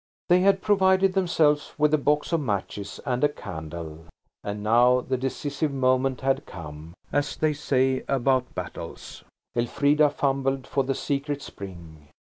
They had provided themselves with a box of matches and a candle–and now the decisive moment had come, as they say about battles. Elfrida fumbled for the secret spring.